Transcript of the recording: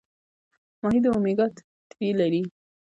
ماهي د اومیګا تري لري